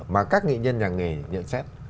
mà các nghệ nhân và nghề nhận xét